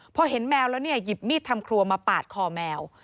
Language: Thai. พอเห็นแมวแล้วเนี่ยหยิบมีดทำครัวมาปาดคอแมว